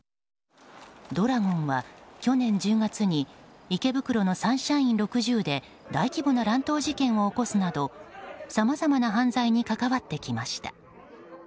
怒羅権は去年１０月に池袋のサンシャイン６０で大規模な乱闘事件を起こすなどさまざまな犯罪に関わってきました。